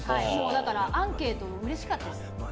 だからアンケートうれしかったです。